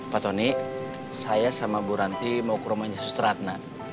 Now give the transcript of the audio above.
pak tony saya sama buranti mau ke rumahnya susteratna